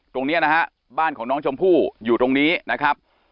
ตรงนี้นะฮะบ้านของน้องชมพู่อยู่ตรงนี้นะครับ